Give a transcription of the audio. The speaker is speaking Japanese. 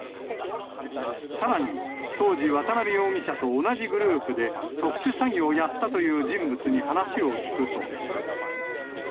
さらに、当時、渡辺容疑者と同じグループで、特殊詐欺をやったという人物に話を聞くと。